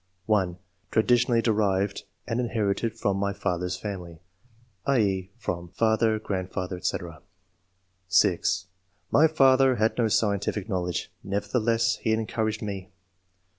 (1) [Traditionally derived, and] inherited from my father s family [i.e. from father, grandfather, &c.] (6) My father had no scientific knowledge, nevertheless he encouraged me.